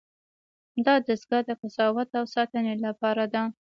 دا دستگاه د قضاوت او ساتنې لپاره ده.